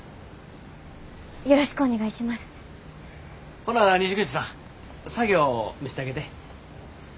ほな西口さん作業見せたげて。